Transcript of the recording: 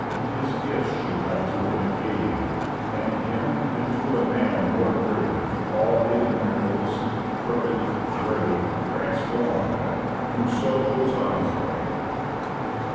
His gifts she hides within a cave, And him into a man more grave, All hid in wrinkles, crookéd, gray, Transform'd; who so goes on his way.